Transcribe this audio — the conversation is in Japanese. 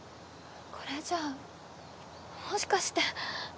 これじゃもしかして。